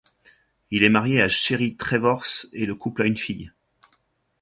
Il est marié à Sherry Trevors et le couple a une fille.